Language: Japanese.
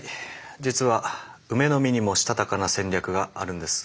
実はウメの実にもしたたかな戦略があるんです。